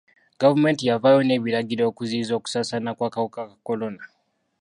Gavumenti yavaayo n'ebiragiro okuziyiza okusaasaana kw'akawuka ka kolona.